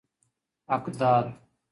حقداد